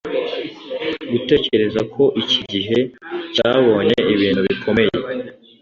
Gutekereza ko iki gihe cyabonye ibintu bikomeye